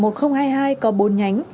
tổng đài một nghìn hai mươi hai có bốn nhánh